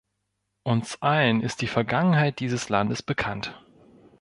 Uns allen ist die Vergangenheit dieses Landes bekannt.